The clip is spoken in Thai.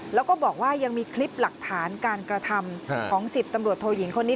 แล้วก็บอกว่ายังมีคลิปหลักฐานการกระทำของ๑๐ตำรวจโทยิงคนนี้